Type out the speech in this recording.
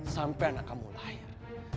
sampai anak kamu lahir